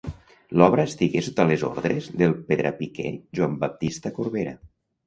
L'obra estigué sota les ordres del pedrapiquer Joan Baptista Corbera.